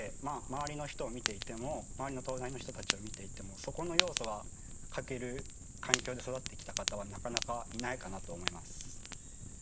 周りの人を見ていても周りの東大の人たちを見ていてもそこの要素が欠ける環境で育ってきた方はなかなかいないかなと思います。